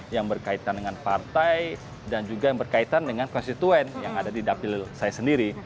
yang berkaitan dengan partai dan juga yang berkaitan dengan konstituen yang ada di dapil saya sendiri